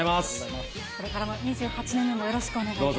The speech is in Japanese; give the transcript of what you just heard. これからも２８年目もよろしくお願いいたします。